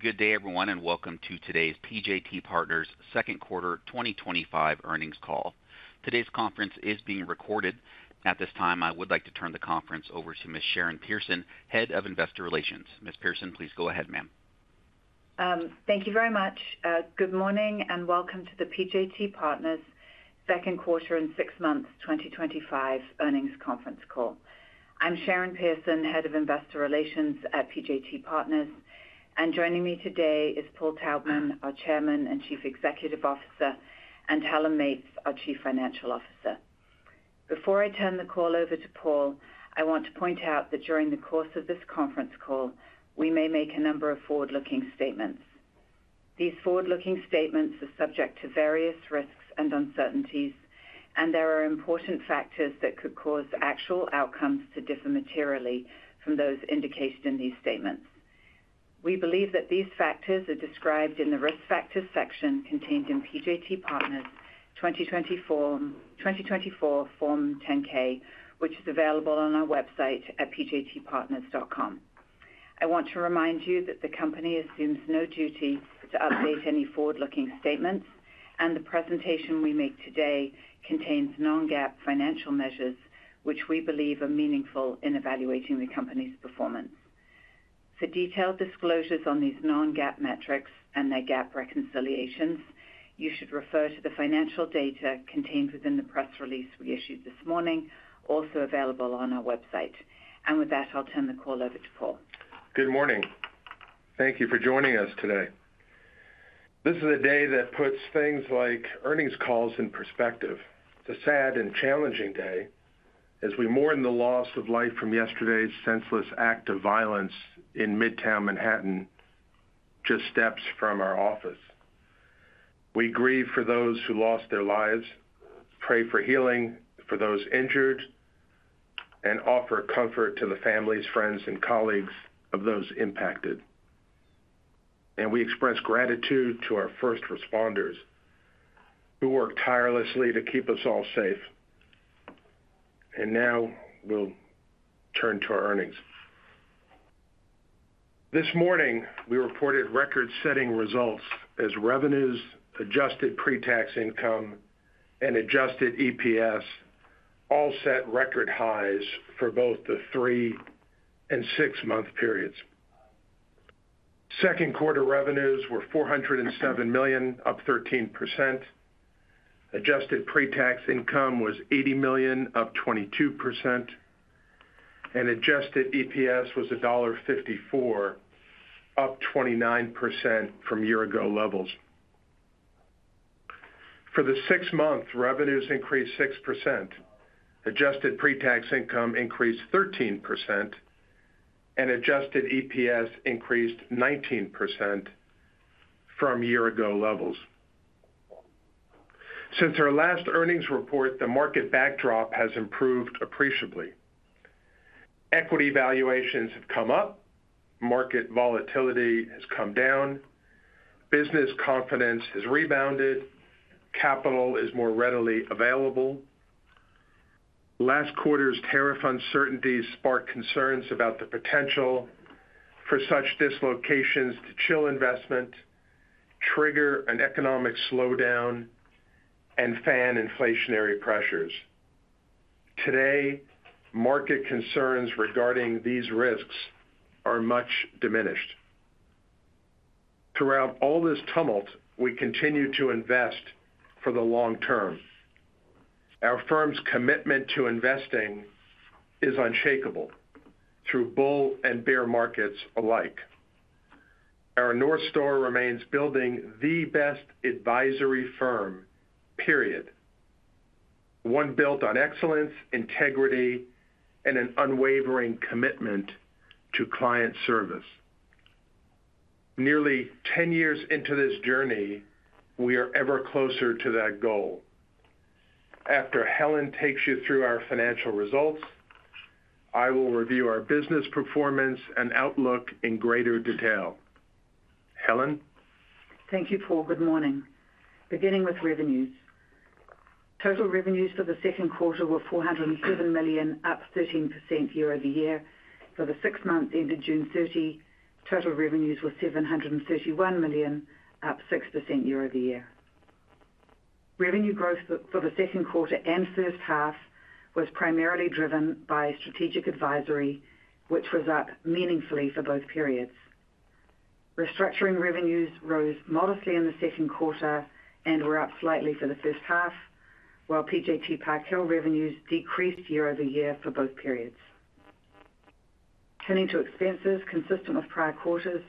Good day everyone and welcome to today's PJT Partners second quarter 2025 earnings call. Today's conference is being recorded. At this time, I would like to turn the conference over to Ms. Sharon Pearson, Head of Investor Relations. Ms. Pearson, please go ahead. Thank you very much. Good morning and welcome to the PJT Partners second quarter and six months 2025 earnings conference call. I'm Sharon Pearson, Head of Investor Relations at PJT Partners. Joining me today is Paul Taubman, our Chairman and Chief Executive Officer, and Helen Meates, our Chief Financial Officer. Before I turn the call over to Paul, I want to point out that during the course of this conference call we may make a number of forward-looking statements. These forward-looking statements are subject to various risks and uncertainties, and there are important factors that could cause actual outcomes to differ materially from those indicated in these statements. We believe that these factors are described in the risk factors section contained in PJT Partners 2024 Form 10-K, which is available on our website at pjtpartners.com. I want to remind you that the company assumes no duty to update any forward-looking statements, and the presentation we make today contains non-GAAP financial measures which we believe are meaningful in evaluating the company's performance. For detailed disclosures on these non-GAAP metrics and their GAAP reconciliations, you should refer to the financial data contained within the press release we issued this morning, also available on our website. With that, I'll turn the call over to Paul. Good morning. Thank you for joining us today. This is a day that puts things like earnings calls in perspective. It is a sad and challenging day as we mourn the loss of life from yesterday's senseless act of violence in Midtown Manhattan just steps from our office. We grieve for those who lost their lives, pray for healing for those injured, and offer comfort to the families, friends, and colleagues of those impacted. We express gratitude to our first responders who worked tirelessly to keep us all safe. Now we'll turn to our earnings. This morning we reported record-setting results as revenues, adjusted pre-tax income, and adjusted EPS all set record highs for both the three and six month periods. Second quarter revenues were $407 million, up 13%, adjusted pre-tax income was $80 million, up 22%, and adjusted EPS was $1.54, up 29% from year-ago levels. For the six months, revenues increased 6%, adjusted pre-tax income increased 13%, and adjusted EPS increased 19% from year-ago levels. Since our last earnings report, the market backdrop has improved appreciably. Equity valuations have come up. Market volatility has come down. Business confidence has rebounded. Capital is more readily available. Last quarter's tariff uncertainty sparked concerns about the potential for such dislocations to chill investment, trigger an economic slowdown, and fan inflationary pressures. Today, market concerns regarding these risks are much diminished. Throughout all this tumult, we continue to invest for the long term. Our firm's commitment to investing is unshakable. Through bull and bear markets alike, our North Star remains building the best advisory firm period, one built on excellence, integrity, and an unwavering commitment to client service. Nearly 10 years into this journey, we are ever closer to that goal. After Helen takes you through our financial results, I will review our business performance and outlook in greater detail. Helen, thank you. Paul, good morning. Beginning with revenues, total revenues for the second quarter were $407 million, up 13% year-over-year. For the six months ended June 30, total revenues were $731 million, up 6% year-over-year. Revenue growth for the second quarter and first half was primarily driven by strategic advisory, which was up meaningfully for both periods. Restructuring revenues rose modestly in the second quarter and were up slightly for the first half, while PJT Park Hill revenues decreased year-over-year for both periods. Turning to expenses, consistent with prior quarters,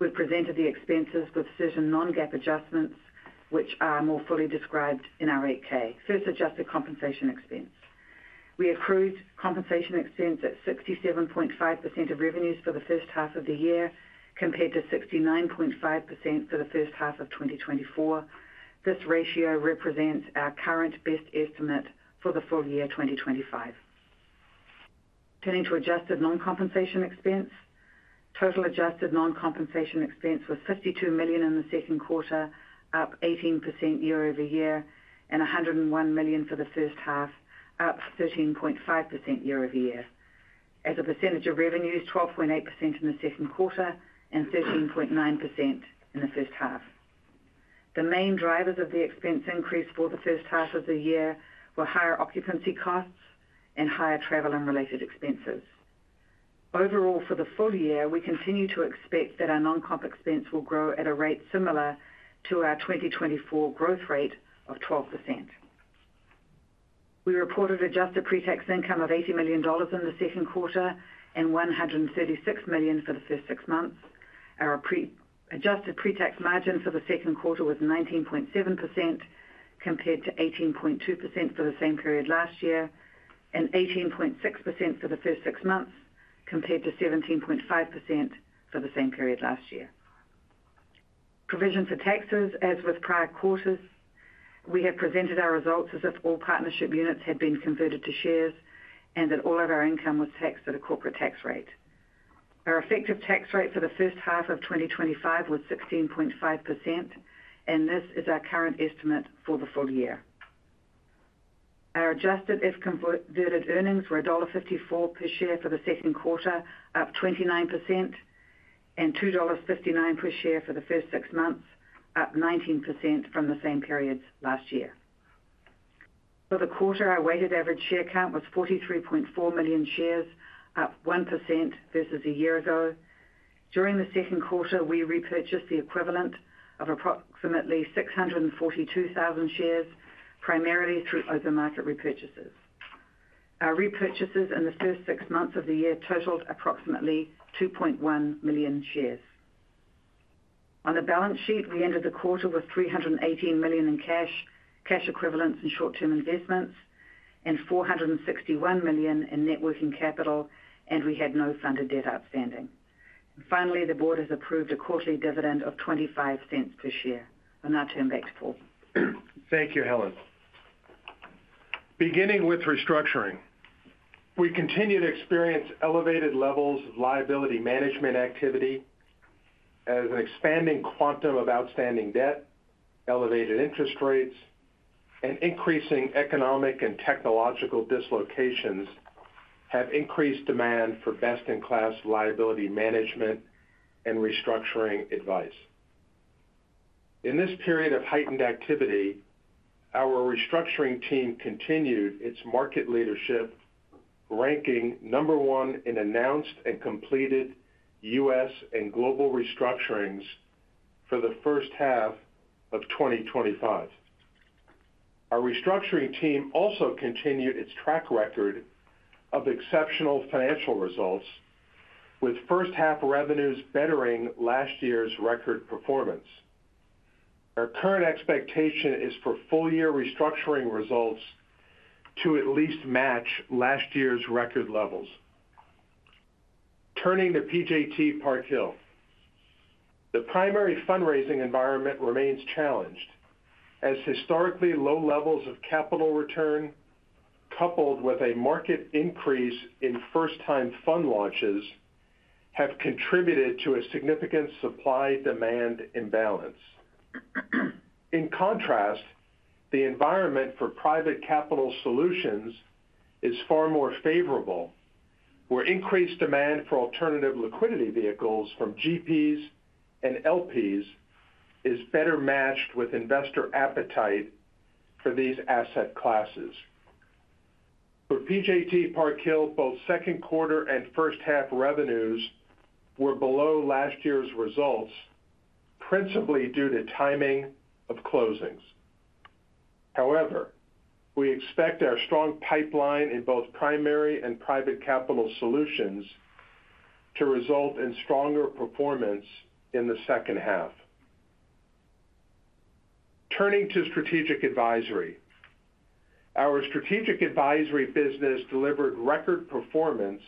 we've presented the expenses with certain non-GAAP adjustments, which are more fully described in our 8-K. First, adjusted compensation expense. We accrued compensation expense at 67.5% of revenues for the first half of the year compared to 69.5% for the first half of 2024. This ratio represents our current best estimate for the full year 2025. Turning to adjusted non-compensation expense, total adjusted non-compensation expense was $52 million in the second quarter, up 18% year-over-year, and $101 million for the first half, up 13.5% year-over-year. As a percentage of revenues, 12.8% in the second quarter and 13.9% in the first half. The main drivers of the expense increase for the first half of the year were higher occupancy costs and higher travel and related expenses. Overall, for the full year, we continue to expect that our non. Comp expense will grow at a rate. Similar to our 2024 growth rate of 12%. We reported adjusted pre-tax income of $80 million in the second quarter and $136 million for the first six months. Our adjusted pre-tax margin for the second quarter was 19.7% compared to 18.2% for the same period last year and 18.6% for the first six months compared to 17.5% for the same period last year. Provision for taxes, as with prior quarters, we have presented our results as if all partnership units had been converted to shares and that all of our income was taxed at a corporate tax rate. Our effective tax rate for the first half of 2025 was 16.5% and this is our current estimate for the full year. Our adjusted if-converted earnings were $1.54 per share for the second quarter, up 29%, and $2.59 per share for the first six months, up 19% from the. Same periods last year. For the quarter, our weighted average share count was 43.4 million shares, up 1% versus a year ago. During the second quarter, we repurchased the equivalent of approximately 642,000 shares, primarily through over market repurchases. Our repurchases in the first six months of the year totaled approximately 2.1 million shares on the balance sheet. We ended the quarter with $318 million in cash, cash equivalents, and short term investments, and $461 million in net working capital, and we had no funded debt outstanding. Finally, the Board has approved a quarterly dividend of $0.25 per share. I'll now turn back to Paul. Thank you, Helen. Beginning with Restructuring, we continue to experience elevated levels of liability management activity as an expanding quantum of outstanding debt, elevated interest rates, and increasing economic and technological dislocations have increased demand for best-in-class liability management and restructuring advice. In this period of heightened activity, our Restructuring team continued its market leadership, ranking number one in announced and completed U.S. and global restructurings for the first half of 2025. Our Restructuring team also continued its track record of exceptional financial results, with first half revenues bettering last year's record performance. Our current expectation is for full year Restructuring results to at least match last year's record levels. Turning to PJT Park Hill, the primary fundraising environment remains challenged as historically low levels of capital return, coupled with a marked increase in first-time fund launches, have contributed to a significant supply-demand imbalance. In contrast, the environment for private capital solutions is far more favorable, where increased demand for alternative liquidity vehicles from GPs and LPs is better matched with investor appetite for these asset classes. For PJT Park Hill, both second quarter and first half revenues were below last year's results, principally due to timing of closings. However, we expect our strong pipeline in both primary and private capital solutions to result in stronger performance in the second half. Turning to Strategic Advisory, our Strategic Advisory business delivered record performance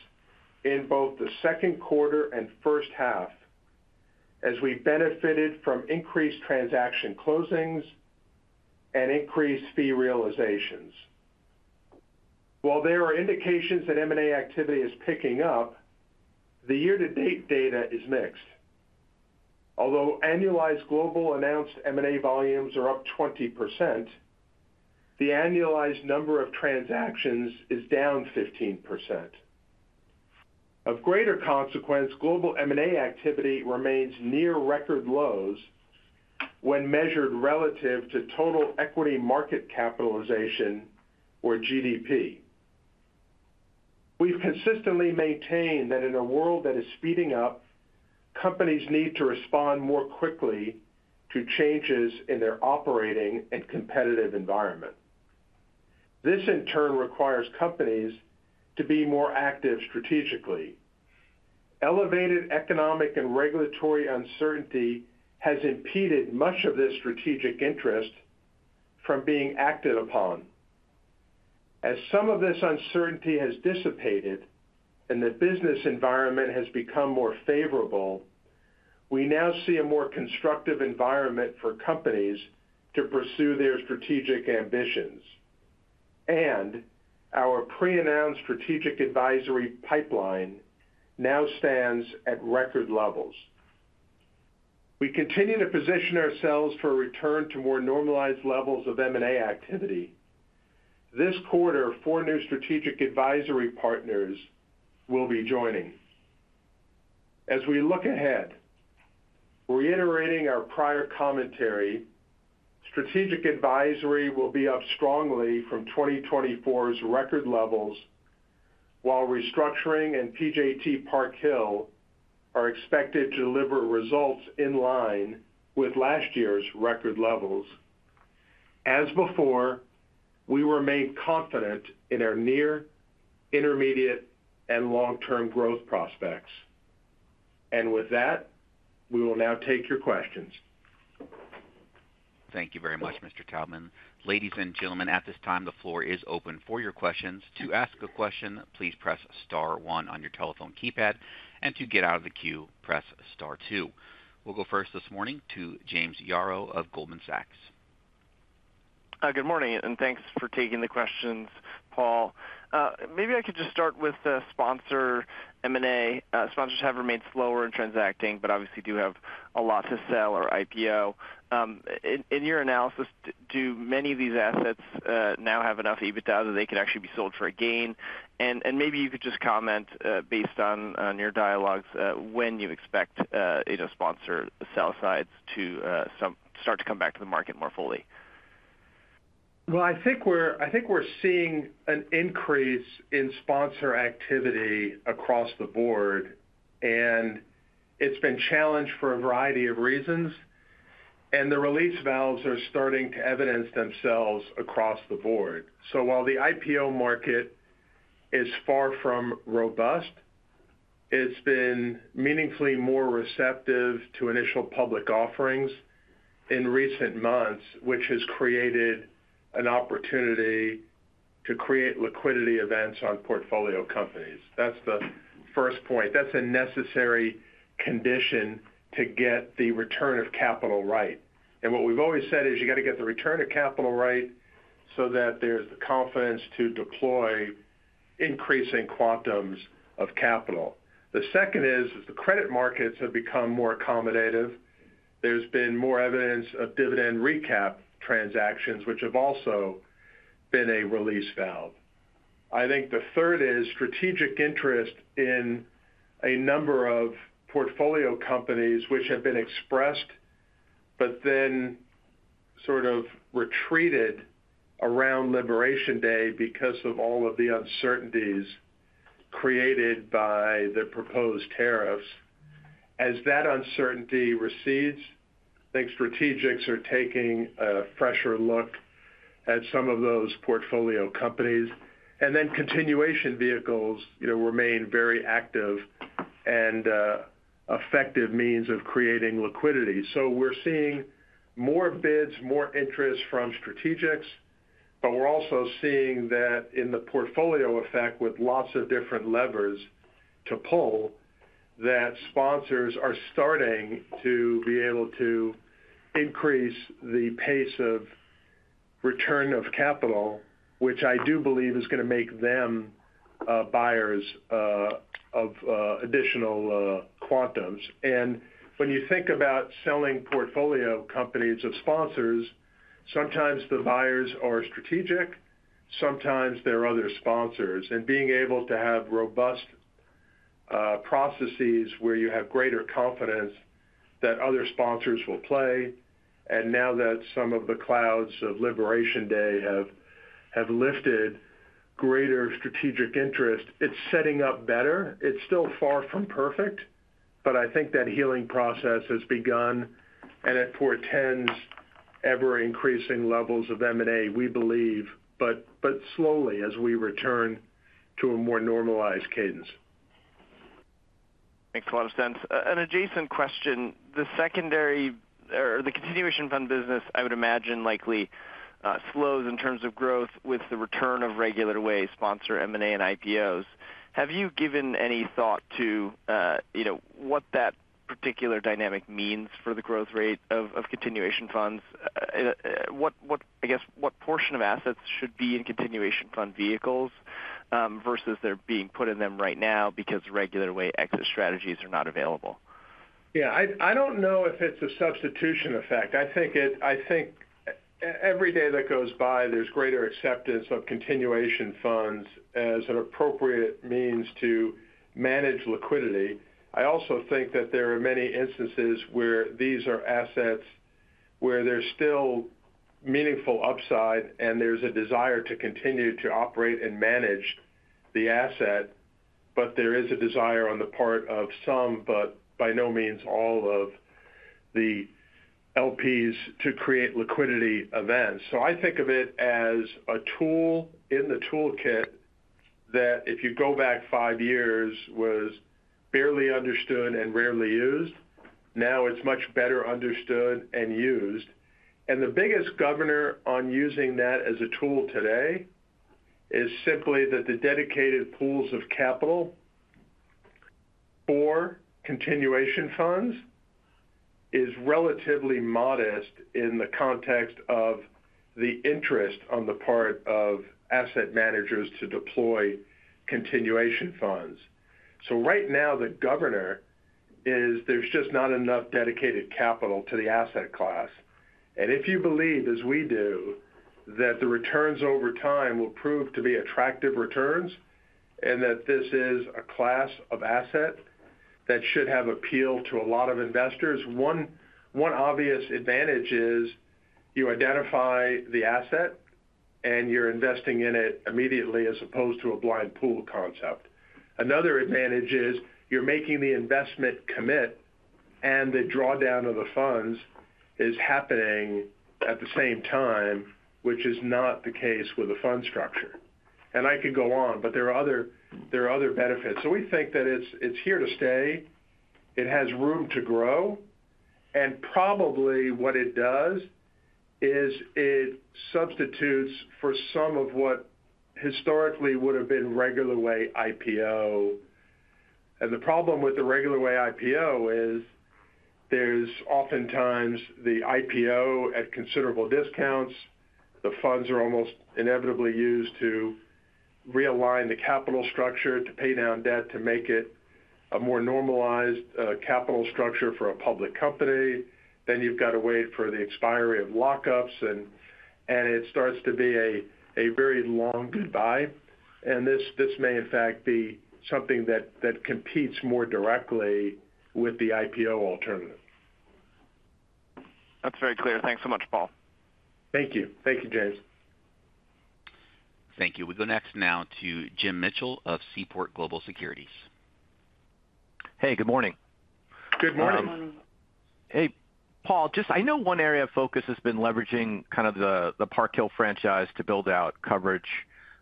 in both the second quarter and first half as we benefited from increased transaction closings and increased fee realizations. While there are indications that M&A activity is picking up, the year-to-date data is mixed. Although annualized global announced M&A volumes are up 20%, the annualized number of transactions is down 15%. Of greater consequence, global M&A activity remains near record lows when measured relative to total equity market capitalization or GDP. We've consistently maintained that in a world that is speeding up, companies need to respond more quickly to changes in their operating and competitive environment. This in turn requires companies to be more active strategically. Elevated economic and regulatory uncertainty has impeded much of this strategic interest from being acted upon. As some of this uncertainty has dissipated and the business environment has become more favorable, we now see a more constructive environment for companies to pursue their strategic ambitions. Our pre-announced Strategic Advisory pipeline now stands at record levels. We continue to position ourselves for a return to more normalized levels of M&A activity this quarter. Four new Strategic Advisory partners will be joining as we look ahead. Reiterating our prior commentary, Strategic Advisory will be up strongly from 2024's record levels, while Restructuring and PJT Park Hill are expected to deliver results in line with last year's record levels. As before, we remain confident in our near, intermediate, and long-term growth prospects. With that, we will now take your questions. Thank you very much, Mr. Taubman. Ladies and gentlemen, at this time the floor is open for your questions. To ask a question, please press star 1 on your telephone keypad, and to get out of the queue, press star 2. We'll go first this morning to James Yaro of Goldman Sachs. Good morning and thanks for taking the questions. Paul. Maybe I could just start with sponsor M&A. Sponsors have remained slower in transacting, but obviously do have a lot to sell or IPO. In your analysis, do many of these assets now have enough EBITDA that they. Can actually be sold for a gain? Could you just comment based on your dialogues when you expect sponsor sell sides to start to come back to the market more fully? I think we're seeing an increase in sponsor activity across the board and it's been challenged for a variety of reasons. The release valves are starting to evidence themselves across the board. While the IPO market is far from robust, it's been meaningfully more receptive to initial public offerings in recent months, which has created an opportunity to create liquidity events on portfolio companies. That's the first point. That's a necessary condition to get the return of capital right. What we've always said is you've got to get the return of capital right so that there's the confidence to deploy increasing quantums of capital. The second is the credit markets have become more accommodative. There's been more evidence of dividend recap transactions, which have also been a release valve. I think the third is strategic interest in a number of portfolio companies which have been expressed but then sort of retreated around Liberation Day because of all of the uncertainties created by the proposed tariffs. As that uncertainty recedes, I think strategics are taking a fresher look at some of those portfolio companies. Continuation vehicles remain very active and effective means of creating liquidity. We're seeing more bids, more interest from strategics, but we're also seeing that in the portfolio effect with lots of different levers to pull that sponsors are starting to be able to increase the pace of return of capital, which I do believe is going to make them buyers of additional quantums. When you think about selling portfolio companies of sponsors, sometimes the buyers are strategic, sometimes there are other sponsors and being able to have robust processes where you have greater confidence that other sponsors will play. Now that some of the clouds of Liberation Day have lifted, greater strategic interest, it's setting up better. It's still far from perfect, but I think that healing process has begun and it portends ever increasing levels of M&A, we believe, but slowly, as we return to a more normalized cadence. Makes a lot of sense. An adjacent question. The secondary or the continuation fund business, I would imagine, likely slows in terms of growth with the return of regular way sponsor M&A and IPOs. Have you given any thought to what that particular dynamic means for the growth rate of continuation funds? I guess what portion of assets should be in continuation fund vehicles versus they're being put in them right now because regular way exit strategies are not available. Yeah, I don't know if it's a substitution effect. I think every day that goes by there's greater acceptance of continuation funds as an appropriate means to manage liquidity. I also think that there are many instances where these are assets where there's still meaningful upside and there's a desire to continue to operate and manage the asset. There is a desire on the part of some, but by no means all of the LPs to create liquidity events. I think of it as a tool in the toolkit that if you go back five years was barely understood and rarely used. Now it's much better understood and used. The biggest governor on using that as a tool today is simply that the dedicated pools of capital for continuation funds is relatively modest in the context of the interest on the part of asset managers to deploy continuation funds. Right now the governor is there's just not enough dedicated capital to the asset class. If you believe as we do that the returns over time will prove to be attractive returns and that this is a class of asset that should have appeal to a lot of investors. One obvious advantage is you identify the asset and you're investing in it immediately, as opposed to a blind pool concept. Another advantage is you're making the investment commit and the drawdown of the funds is happening at the same time, which is not the case with the fund structure. I could go on, but there are other benefits. We think that it's here to stay, it has room to grow. Probably what it does is it substitutes for some of what historically would have been regular way IPO. The problem with the regular way IPO is there's oftentimes the IPO at considerable discounts. The funds are almost inevitably used to realign the capital structure to pay down debt, to make it a more normalized capital structure for a public company. You've got to wait for the expiry of lockups and it starts to be a very long goodbye. This may in fact be something that competes more directly with the IPO alternative. That's very clear. Thanks so much, Paul. Thank you. Thank you, James. Thank you. We go next now to Jim Mitchell of Seaport Global Securities. Hey, good morning. Good morning. Hey Paul, just. I know one area of focus has been leveraging kind of the Park Hill franchise to build out coverage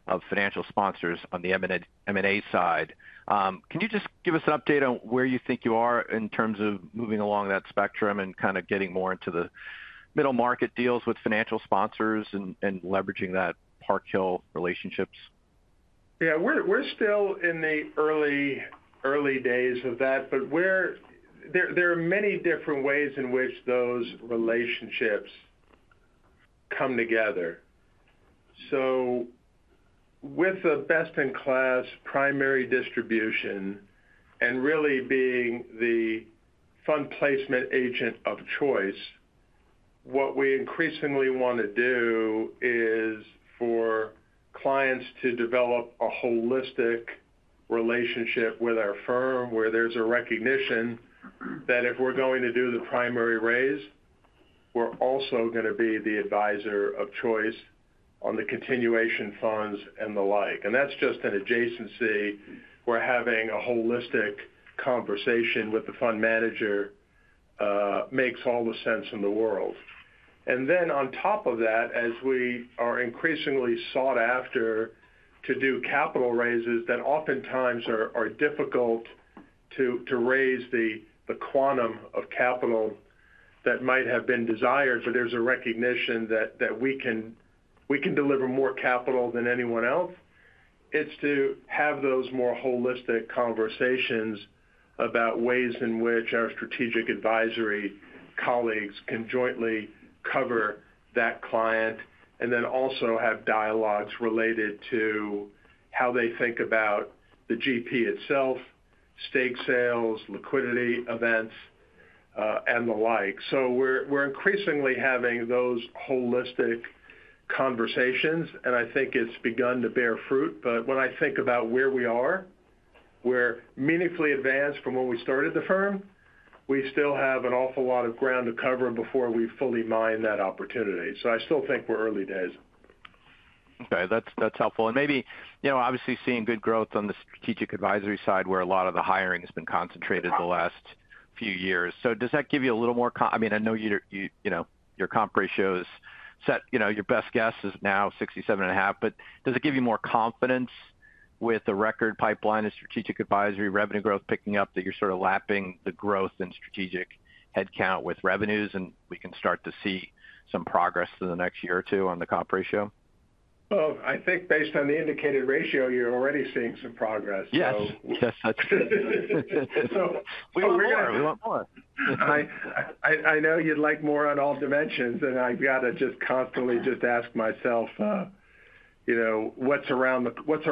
of financial sponsors on the M&A side. Can you just give us an update on where you think you are in terms of moving along that spectrum and kind of getting more into the middle market deals with financial sponsors and leveraging that Park Hill relationships. Yeah, we're still in the early, early days of that, but there are many different ways in which those relationships come together. With the best-in-class primary distribution and really being the fund placement agent of choice, what we increasingly want to do is for clients to develop a holistic relationship with our firm where there's a recognition that if we're going to do the primary raise, we're also going to be the advisor of choice on the continuation funds and the like. That's just an adjacency where having a holistic conversation with the fund manager makes all the sense in the world. On top of that, as we are increasingly sought after to do capital raises that oftentimes are difficult to raise the quantum of capital that might have been desired, there's a recognition that we can deliver more capital than anyone else. It's to have those more holistic conversations about ways in which our Strategic Advisory colleagues can jointly cover that client, and also have dialogues related to how they think about the GP itself, stake sales, liquidity events, and the like. We're increasingly having those holistic conversations, and I think it's begun to bear fruit. When I think about where we are, we're meaningfully advanced from when we started the firm, but we still have an awful lot of ground to cover before we fully mine that opportunity. I still think we're early days. Okay, that's helpful. Obviously seeing good growth on the Strategic Advisory side, where a lot of the hiring has been concentrated the last few years, does that give you a little more—I mean, I know your comp ratio is set, your best guess is now 67.5%, but does it give you more confidence with a record pipeline of Strategic Advisory revenue growth picking up that you're sort of lapping the growth in strategic headcount with revenues, and we can start to see some progress in the next year or two on the comp ratio? I think based on the indicated ratio, you're already seeing some progress. Yes, yes, that's true. We want more. I know you'd like more on all dimensions. I have to just constantly ask myself what's around the bend. What's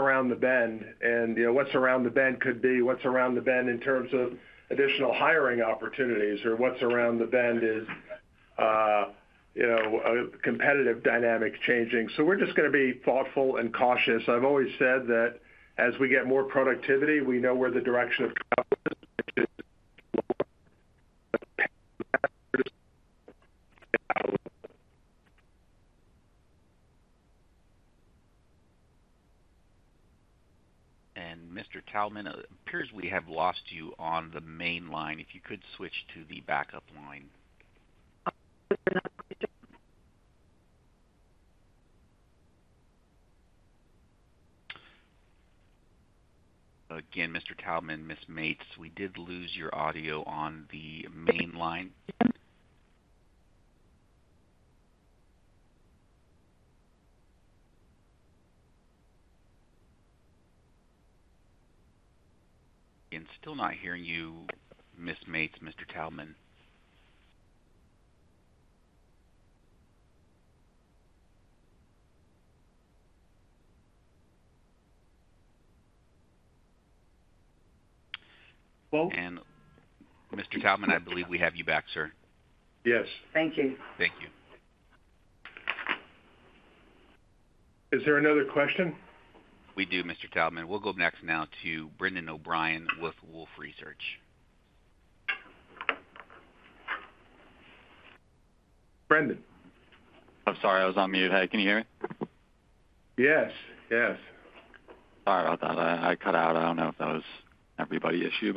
around the bend could be what's around the bend in terms of additional hiring opportunities or what's around the bend is competitive dynamic changing. We're just going to be thoughtful and cautious. I've always said that as we get more productivity, we know where the direction of. Mr. Taubman, it appears we have lost you on the main line. If you could switch to the backup line again, Mr. Taubman. Ms. Meates, we did lose your audio on the main line. Still not hearing you, Ms. Meates. Mr. Taubman, I believe we have you back, sir. Yes, thank you. Thank you. Is there another question? We do, Mr. Taubman. We'll go next now to Brendan O'Brien with Wolfe Research. Brendan? I'm sorry, I was on mute. Can you hear me? Yes, yes, sorry about that. I cut out. I don't know if that was everybody's issue,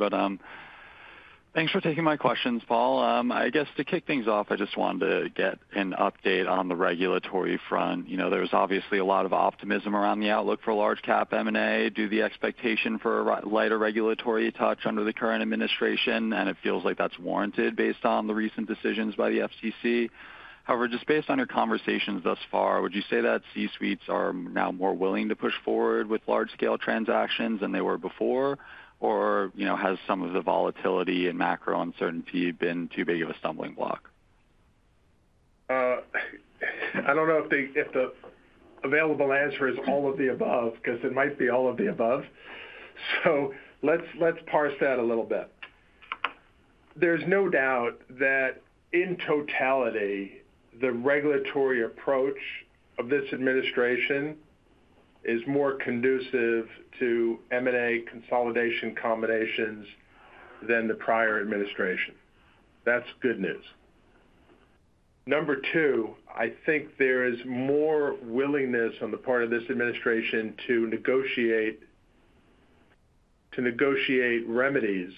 but thanks for taking my questions, Paul. I guess to kick things off, I just wanted to get an update on the regulatory front. You know, there's obviously a lot of optimism around the outlook for large cap M&A due to the expectation for a lighter regulatory touch under the current administration, and it feels like that's warranted based on the recent decisions by the FCC. However, just based on your conversations thus far, would you say that C-suites are now more willing to push forward with large scale transactions than they were before? Or has some of the volatility and macro uncertainty been too big of a stumbling block? I don't know if the available answer is all of the above, because it might be all of the above. Let's parse that a little bit. There's no doubt that in totality, the regulatory approach of this administration is more conducive to M&A consolidation combinations than the prior administration. That's good news. Number two, I think there is more willingness on the part of this administration to negotiate remedies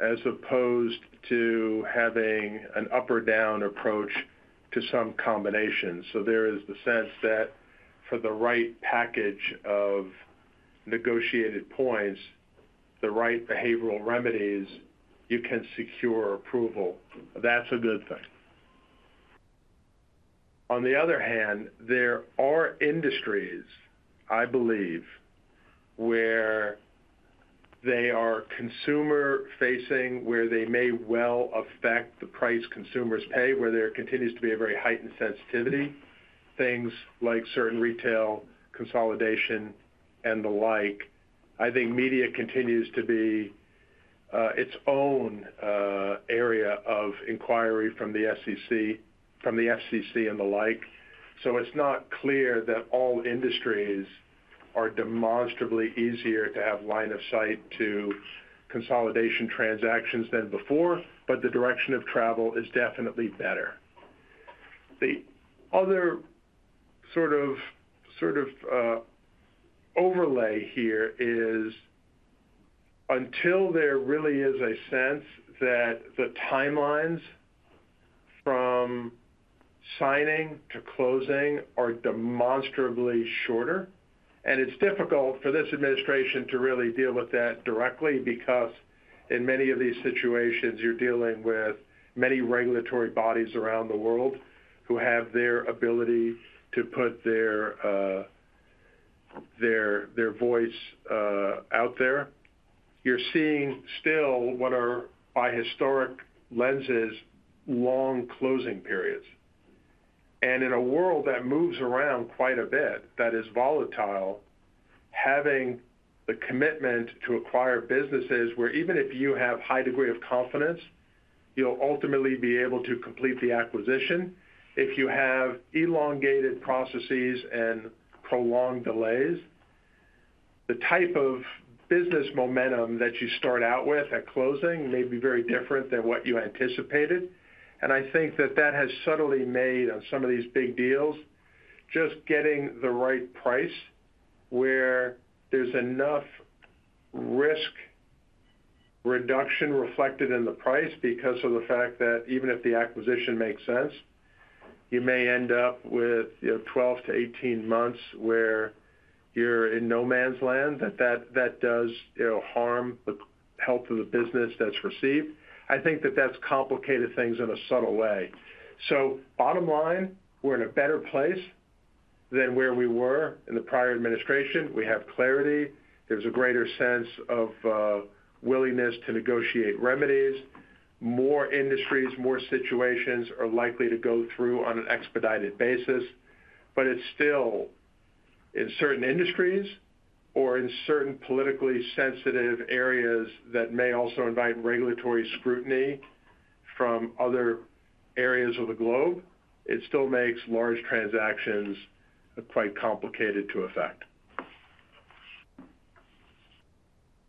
as opposed to having an up or down approach to some combination. There is the sense that for the right package of negotiated points, the right behavioral remedies, you can secure approval. That's a good thing. On the other hand, there are industries, I believe, where they are consumer facing, where they may well affect the price consumers pay, where there continues to be a very heightened sensitivity, things like certain retail consolidation and the like. I think media continues to be its own area of inquiry from the SEC, from the FCC and the like. It's not clear that all industries are demonstrably easier to have line of sight to consolidation transactions than before. The direction of travel is definitely better. The other sort of overlay here is until there really is a sense that the timelines from signing to closing are demonstrably shorter. It's difficult for this administration to really deal with that directly because in many of these situations you're dealing with many regulatory bodies around the world who have their ability to put their voice out there. You're seeing still what are by historic lenses, long closing periods. In a world that moves around quite a bit, that is volatile, having the commitment to acquire businesses where even if you have high degree of confidence you'll ultimately be able to complete the acquisition, if you have elongated processes and prolonged delays, the type of business momentum that you start out with at closing may be very different than what you anticipated. I think that has subtly made on some of these big deals just getting the right price where there's enough risk reduction reflected in the price because of the fact that even if the acquisition makes sense, you may end up with 12-18 months where you're in no man's land. That does harm the health of the business that's received. I think that has complicated things in a subtle way. Bottom line, we're in a better place than where we were in the prior administration. We have clarity, there's a greater sense of willingness to negotiate remedies, more industries, more situations are likely to go through on an expedited basis. It's still in certain industries or in certain politically sensitive areas that may also invite regulatory scrutiny from other areas of the globe. It still makes large transactions quite complicated to effect.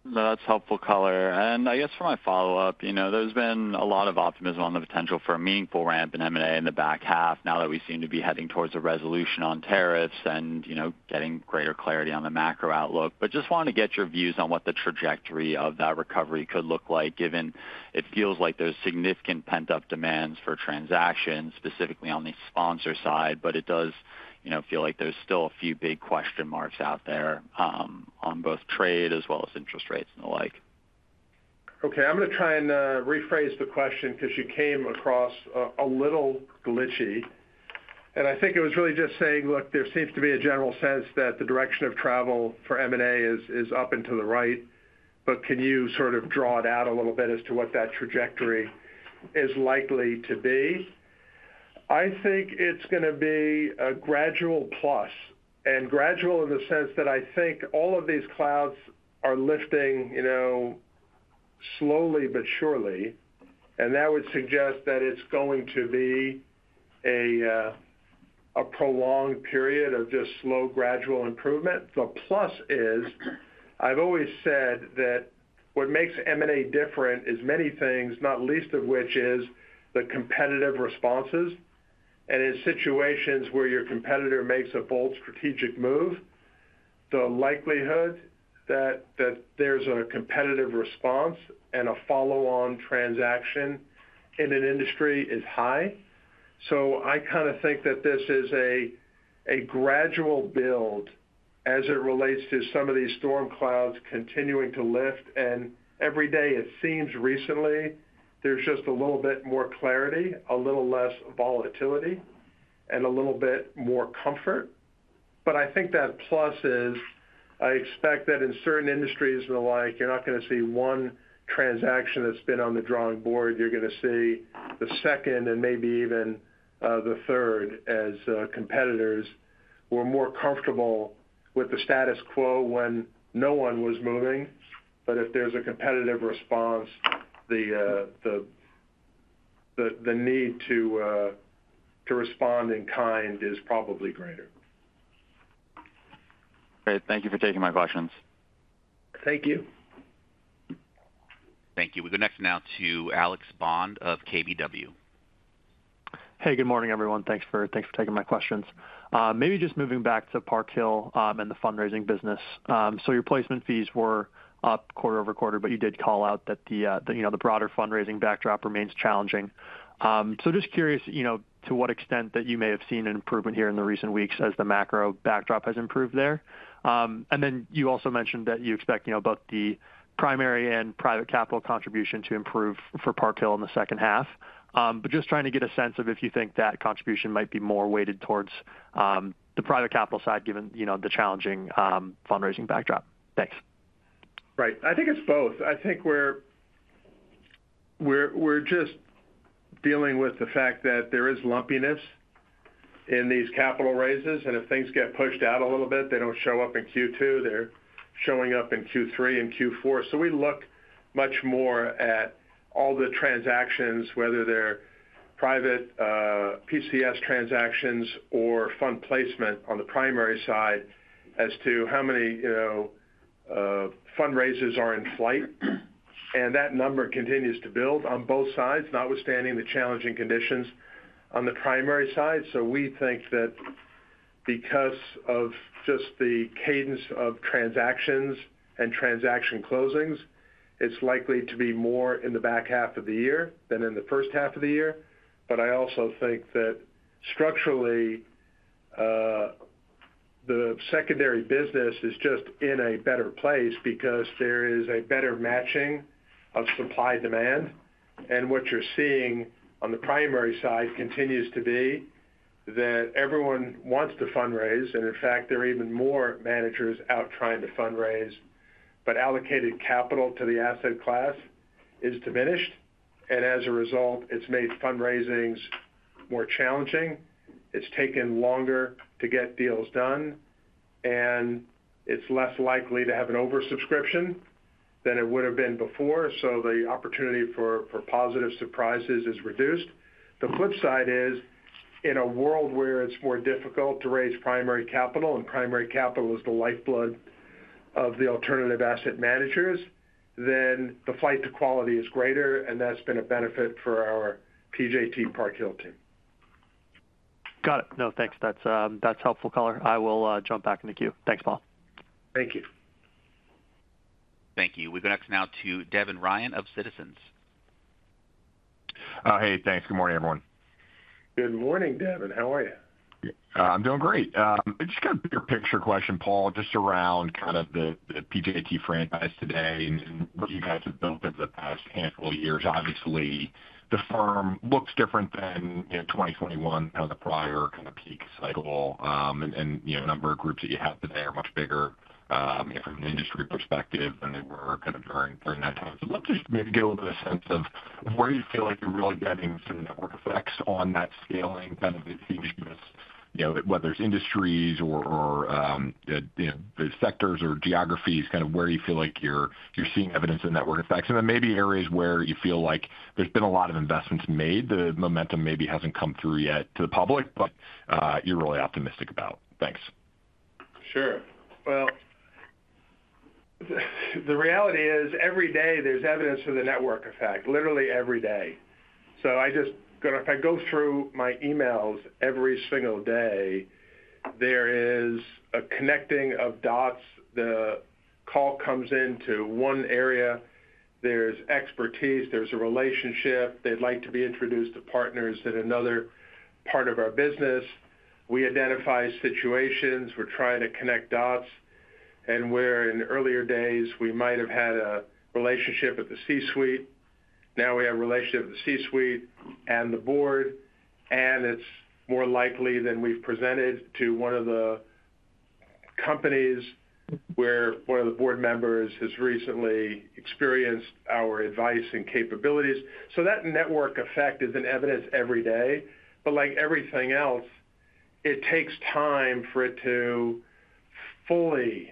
That's helpful color, and I guess for my follow-up, you know, there's been a lot of optimism on the potential for a meaningful ramp in M&A in the back half now that we seem to be heading towards a resolution on tariffs and, you know, getting greater clarity on the macro outlook. Just wanted to get your views on what the trajectory of that recovery could look like given it feels like there's significant pent-up demand for transactions. Specifically on the sponsor side. There are still a few big question marks out there on both trade as well as interest rates and the like. Okay, I'm going to try and rephrase the question because you came across a little glitchy and I think it was really just saying, look, there seems to be a general sense that the direction of travel for M&A is up and to the right. Can you sort of draw it out a little bit as to what that trajectory is likely to be? I think it's going to be a gradual plus and gradual in the sense that I think all of these clouds are lifting, you know, slowly but surely. That would suggest that it's going to be a prolonged period of just slow, gradual improvement. The plus is, I've always said that what makes M&A different is many things, not least of which is the competitive responses. In situations where your competitor makes a bold strategic move, the likelihood that there's a competitive response and a follow-on transaction in an industry is high. I kind of think that this is a gradual build as it relates to some of these storm clouds continuing to lift. Every day it seems recently there's just a little bit more clarity, a little less volatility and a little bit more comfort. I think that plus is, I expect that in certain industries and the like, you're not going to see one transaction that's been on the drawing board. You're going to see the second and maybe even the third, as competitors were more comfortable with the status quo when no one was moving. If there's a competitive response, the need to respond in kind is probably greater. Thank you for taking my questions. Thank you. Thank you. We go next now to Alex Bond of KBW. Hey, good morning, everyone. Thanks for taking my questions. Maybe just moving back to Park Hill and the fundraising business. Your placement fees were up quarter-over-quarter, but you did call out that the broader fundraising backdrop remains challenging. I'm just curious to what extent you may have seen an improvement here in the recent weeks as the macro backdrop has improved there. You also mentioned that you expect both the primary and private capital contribution to improve for Park Hill in the second half. I'm just trying to get a sense of if you think that contribution might be more weighted towards the private capital side, given the challenging fundraising backdrop. Thanks. Right. I think it's both. I think we're just dealing with the fact that there is lumpiness in these capital raises, and if things get pushed out a little bit, they don't show up in Q2, they're showing up in Q3 and Q4. We look much more at all the transactions, whether they're private PCS transactions or fund placement on the primary side, as to how many fundraisers are in flight. That number continues to build on both sides, notwithstanding the challenging conditions on the primary side. We think that because of just the cadence of transactions and transaction closings, it's likely to be more in the back half of the year than in the first half of the year. I also think that structurally, the secondary business is just in a better place because there is a better matching of supply, demand. What you're seeing on the primary side continues to be that everyone wants to fundraise, and in fact, there are even more managers out trying to fundraise. Allocated capital to the asset class is diminished and as a result, it's made fundraisings more challenging. It's taken longer to get deals done and it's less likely to have an oversubscription than it would have been before. The opportunity for positive surprises is reduced. The flip side is, in a world where it's more difficult to raise primary capital and primary capital is the lifeblood of the alternative asset managers, the flight to quality is greater. That's been a benefit for our PJT Park Hill team. Got it. No, thanks. That's helpful. Color. I will jump back in the queue. Thanks, Paul. Thank you. Thank you. We go next now to Devin Ryan of Citizens. Hey, thanks. Good morning, everyone. Good morning, Devin. How are you? I'm doing great. Just kind of bigger picture question, Paul. Just around kind of the PJT franchise today and what you guys have built over the past handful of years. Obviously the firm looks different than 2021, the prior kind of peak cycle, and the number of groups that you have today are much bigger from an industry perspective than they were kind of during that time. Let's just maybe get a little bit of a sense of where you. Feel like you're really getting some network effects on that scaling. Kind of efficient, whether it's industries or sectors or geographies, where you feel like you're seeing evidence of network effects, and then maybe areas where you feel like there's been a lot of investments made, the momentum maybe hasn't come through yet to the public, but you're really optimistic about. Thanks. Sure. The reality is every day there's evidence of the network effect, literally every day. If I go through my emails every single day, there is a connecting of dots. The call comes into one area, there's expertise, there's a relationship they'd like to be introduced to partners in another part of our business. We identify situations, we're trying to connect dots, and where in earlier days we might have had a relationship at the C-suite, now we have a relationship at the C-suite and the board, and it's more likely that we've presented to one of the companies where one of the board members has recently experienced our advice and capabilities. That network effect is in evidence every day. Like everything else, it takes time for it to fully,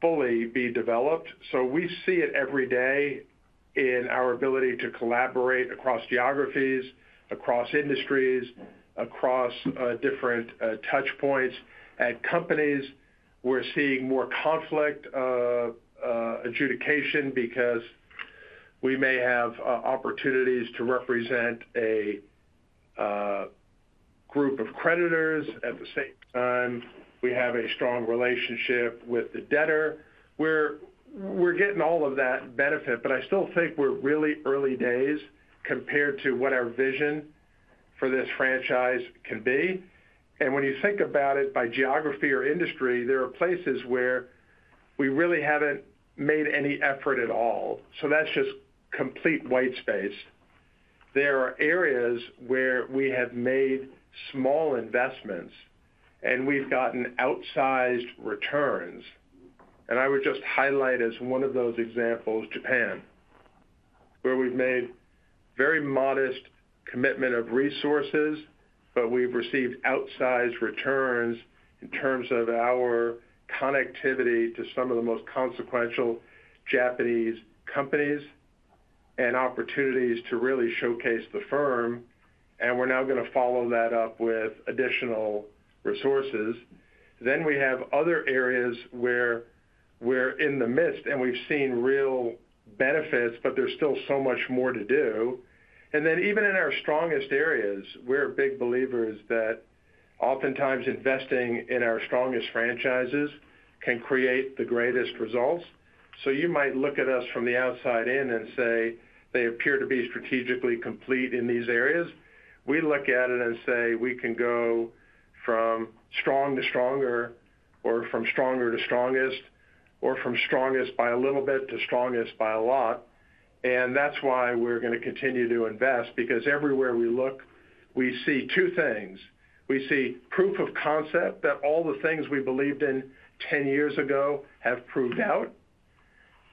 fully be developed. We see it every day in our ability to collaborate across geographies, across industries, across different touch points at companies. We're seeing more conflict adjudication because we may have opportunities to represent a group of creditors. At the same time, we have a strong relationship with the debtor. We're getting all of that benefit. I still think we're really early days compared to what our vision for this franchise can be. When you think about it by geography or industry, there are places where we really haven't made any effort at all. That's just complete white space. There are areas where we have made small investments and we've gotten outsized returns. I would just highlight as one of those examples, Japan, where we've made very modest commitment of resources, but we've received outsized returns in terms of our connectivity to some of the most consequential Japanese companies and opportunities to really showcase the firm. We're now going to follow that up with additional resources. We have other areas where we're in the midst and we've seen real benefits, but there's still so much more to do. Even in our strongest areas, we're big believers that oftentimes investing in our strongest franchises can create the greatest results. You might look at us from the outside in and say they appear to be strategically complete in these areas. We look at it and say we can go from strong to stronger or from stronger to strongest or from strongest by a little bit to strongest by a lot. That's why we're going to continue to invest. Everywhere we look, we see two things. We see proof of concept that all the things we believed in 10 years ago have proved out.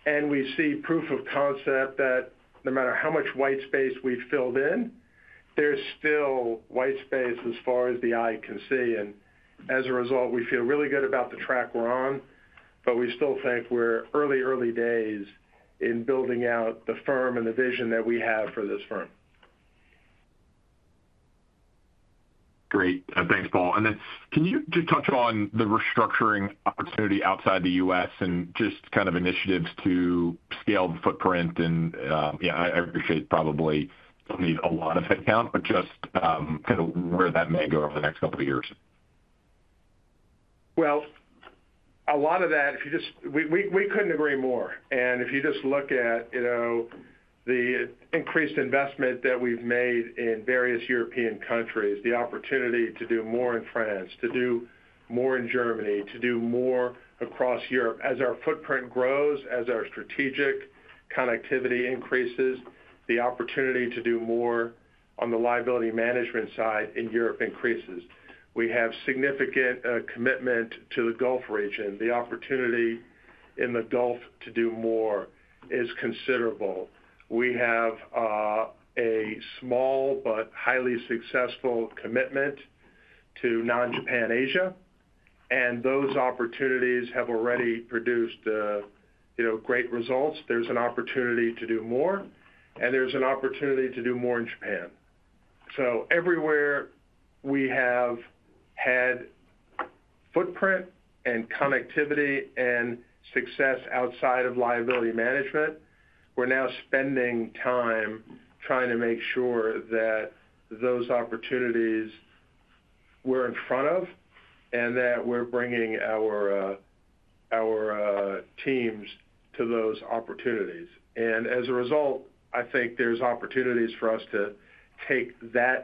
We see proof of concept that no matter how much white space we filled in, there's still white space as far as the eye can see. As a result, we feel really good about the track we're on, but we still think we're early, early days in building out the firm and the vision that we have for this firm. Great, thanks, Paul. Can you just touch on. The restructuring opportunity outside the U.S. and just kind of initiatives to scale the footprint, and yeah, I appreciate, probably don't need a lot of headcount, but just kind of where that may go over the next couple of years. If you just look at the increased investment that we've made in various European countries, the opportunity to do more in France, to do more in Germany, to do more across Europe, as our footprint grows, as our strategic connectivity increases, the opportunity to do more on the liability management side in Europe increases. We have significant commitment to the Gulf region. The opportunity in the Gulf to do more is considerable. We have a small but highly successful commitment to non Japan Asia, and those opportunities have already produced great results. There's an opportunity to do more and there's an opportunity to do more in Japan. Everywhere we have had footprint and connectivity and success outside of liability management, we're now spending time trying to make sure that those opportunities we're in front of and that we're bringing our teams to those opportunities. As a result, I think there's opportunities for us to take that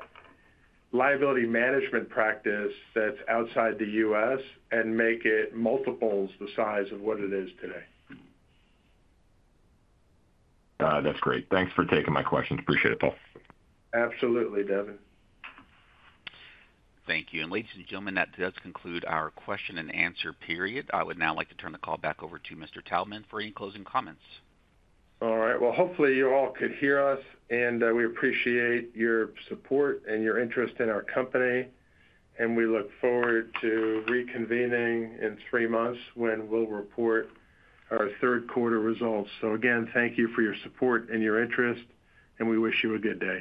liability management practice that's outside the U.S. and make it multiples the size of what it is today. That's great. Thanks for taking my questions. Appreciate it, Paul. Absolutely. Devin. Thank you. Ladies and gentlemen, that does conclude our question and answer period. I would now like to turn the call back over to Mr. Taubman for any closing comments. All right, hopefully you all could hear us, and we appreciate your support and your interest in our company. We look forward to reconvening in three months when we'll report our third quarter results. Again, thank you for your support and your interest, and we wish you a good day.